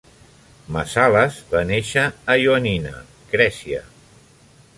Massalas va néixer a Ioannina, Grècia.